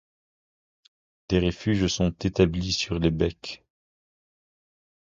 Des refuges sont établis sur les becs.